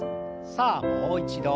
さあもう一度。